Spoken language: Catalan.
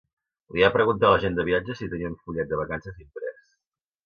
Li va preguntar a l'agent de viatges si tenia un fullet de vacances imprès